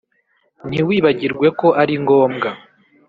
ntiwibagirwe ko ari ngombwa